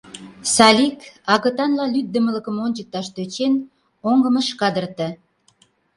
Салик, агытанла лӱддымылыкым ончыкташ тӧчен, оҥым ыш кадырте.